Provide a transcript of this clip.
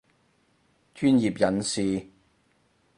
專業人士